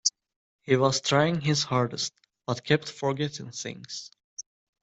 He was trying his hardest, but kept forgetting things.